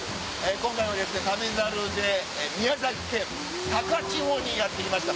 今回は『旅猿』で宮崎県高千穂にやって来ました。